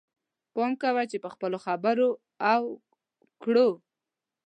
پام کوه چې په خپلو خبرو او کړو.